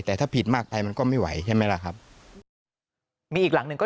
แต่ถ้าผิดมากไปมันก็ไม่ไหวใช่ไหมล่ะครับมีอีกหลังหนึ่งก็